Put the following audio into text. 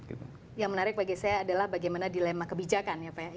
yang menarik bagi saya adalah bagaimana dilema kebijakan ya pak